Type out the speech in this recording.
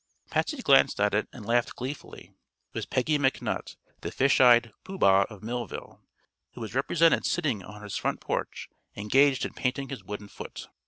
Patsy glanced at it and laughed gleefully. It was Peggy McNutt, the fish eyed pooh bah of Millville, who was represented sitting on his front porch engaged in painting his wooden foot.